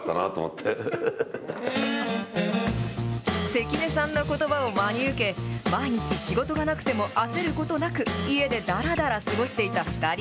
関根さんのことばを真に受け、毎日、仕事がなくても焦ることなく、家でだらだら過ごしていた２人。